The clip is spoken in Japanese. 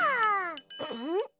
うん？